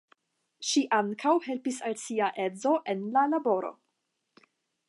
Ŝi ankaŭ helpis al sia edzo en la laboro.